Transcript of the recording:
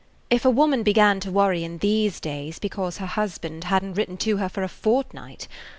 "If a woman began to worry in these days because her husband hadn't written to her for a fortnight!